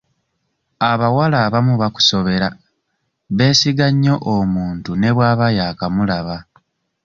Abawala abamu bakusobera beesiga nnyo omuntu ne bw'aba yaakamulaba.